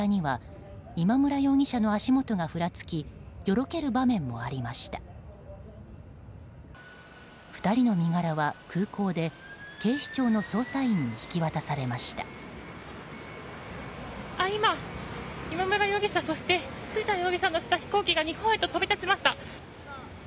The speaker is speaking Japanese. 今、今村容疑者、そして藤田容疑者を乗せた飛行機が日本へと飛び立ちました。